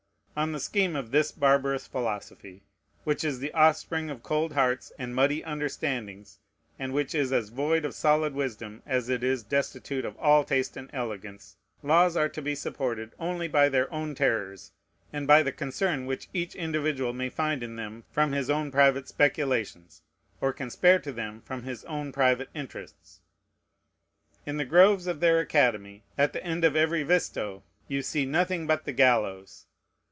On the scheme of this barbarous philosophy, which is the offspring of cold hearts and muddy understandings and which is as void of solid wisdom as it is destitute of all taste and elegance, laws are to be supported only by their own terrors, and by the concern which each individual may find in them from his own private speculations, or can spare to them from his own private interests. In the groves of their academy, at the end of every visto, you see nothing but the gallows.